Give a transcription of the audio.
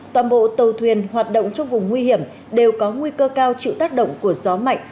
toàn bộ tàu thuyền hoạt động trong vùng nguy hiểm đều có nguy cơ cao chịu tác động của gió mạnh